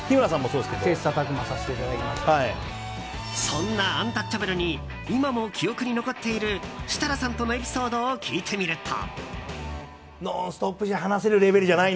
そんなアンタッチャブルに今も記憶に残っている設楽さんとのエピソードを聞いてみると。